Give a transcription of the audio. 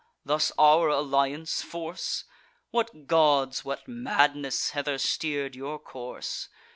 thus our alliance force? What gods, what madness, hither steer'd your course?